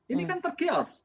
ini kan tergeor